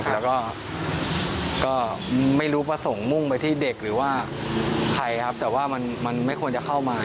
แล้วก็ก็ไม่รู้พระสงฆ์มุ่งไปที่เด็กหรือว่าใครครับแต่ว่ามันไม่ควรจะเข้ามา